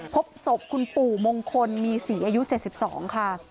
พบศพคุณปู่มงคลมีศรีอายุ๗๒ค่ะ